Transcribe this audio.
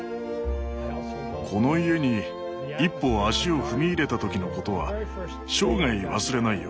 この家に一歩足を踏み入れた時のことは生涯忘れないよ。